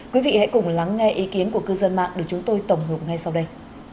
quý vị hãy cùng lắng nghe ý kiến của cư dân mạng để chúng tôi tổng hợp ngay sau đây